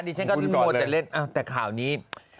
ฉันก็มัวแต่เล่นแต่ข่าวนี้